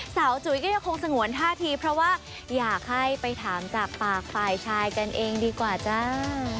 จุ๋ยก็ยังคงสงวนท่าทีเพราะว่าอยากให้ไปถามจากปากฝ่ายชายกันเองดีกว่าจ้า